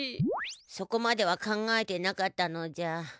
そこまでは考えてなかったのじゃ。